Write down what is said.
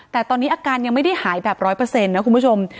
แต่ตอนนี้อาการยังไม่ได้หายแบบร้อยเปอร์เซ็นต์นะคุณผู้ชม